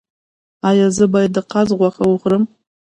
ایا زه باید د قاز غوښه وخورم؟